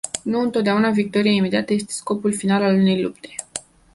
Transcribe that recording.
Nu întotdeauna victoria imediată este scopul final unei lupte.